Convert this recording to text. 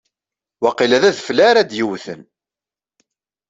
Waqila d adfel ara d-yewwten.